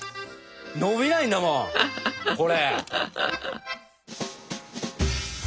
のびないんだもんこれ。